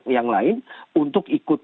yang lain untuk ikut